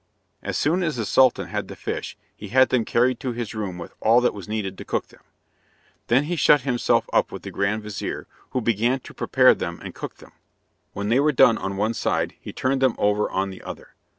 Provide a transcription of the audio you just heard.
As soon as the Sultan had the fish he had them carried to his room with all that was needed to cook them. Then he shut himself up with the grand vizir, who began to prepare them and cook them. When they were done on one side he turned them over on the other.